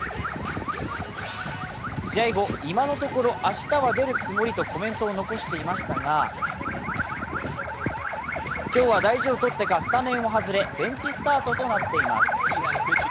試合後、今のところ明日は出るつもりとコメントを残していましたが今日は大事をとってかスタメンを外れベンチスタートとなっています。